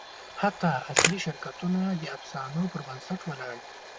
حتی عصري شرکتونه د افسانو پر بنسټ ولاړ دي.